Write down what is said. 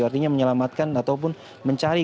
artinya menyelamatkan ataupun mencari